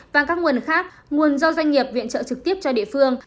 và các nguồn khác nguồn do doanh nghiệp viện trợ trực tiếp cho địa phương